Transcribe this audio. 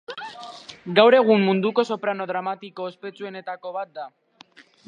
Gaur egun munduko soprano dramatiko ospetsuenetako bat da.